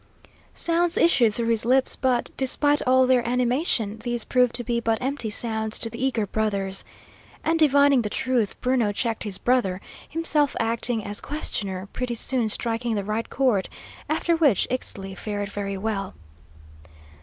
Sounds issued through his lips, but, despite all their animation, these proved to be but empty sounds to the eager brothers. And, divining the truth, Bruno checked his brother, himself acting as questioner, pretty soon striking the right chord, after which Ixtli fared very well.